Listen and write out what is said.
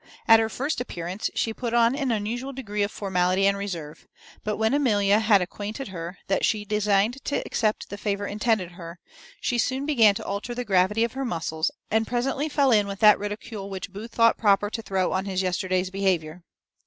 At her first appearance she put on an unusual degree of formality and reserve; but when Amelia had acquainted her that she designed to accept the favour intended her, she soon began to alter the gravity of her muscles, and presently fell in with that ridicule which Booth thought proper to throw on his yesterday's behaviour.